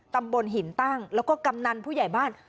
ตำบลหินตั้งแล้วก็กำนันผู้ใหญ่บ้าน